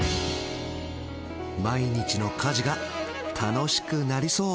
毎日の家事が楽しくなりそう